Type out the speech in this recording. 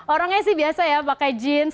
orangnya sih biasa ya pakai jeans